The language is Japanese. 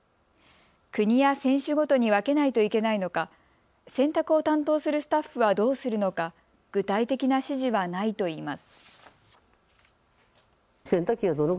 国や選手ごとに分けないといけないのか、洗濯を担当するスタッフはどうするのか具体的な指示はないといいます。